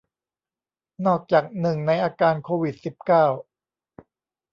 นอกจากหนึ่งในอาการโควิด สิบเก้า